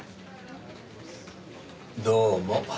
どうも。